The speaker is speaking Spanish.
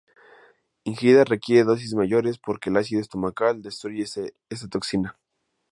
Ingerida requiere dosis mayores porque el ácido estomacal destruye esta toxina.